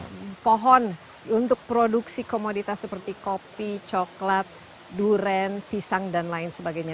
ada pohon untuk produksi komoditas seperti kopi coklat duren pisang dan lain sebagainya